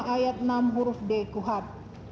ayat enam huruf d kuhap